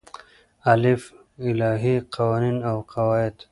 الف : الهی قوانین او قواعد